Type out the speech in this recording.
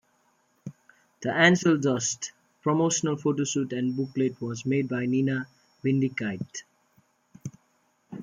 The "Angel Dust" promotional photoshoot and booklet was made by Nina Bendigkeit.